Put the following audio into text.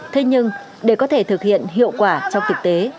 thế nhưng để có thể thực hiện hiệu quả trong thực tế